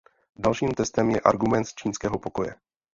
Dalším testem je argument čínského pokoje.